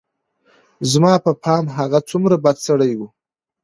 زما په پام هغه څومره بد سړى و.